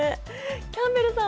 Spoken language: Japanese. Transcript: キャンベルさん